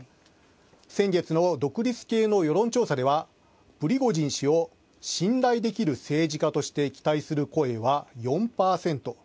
先月の独立系の世論調査ではプリゴジン氏を信頼できる政治家として期待する声は４％。